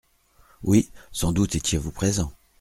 Oui ! Sans doute étiez-vous présent.